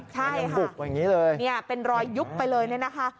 ใช่ค่ะเป็นรอยยุกไปเลยนะคะ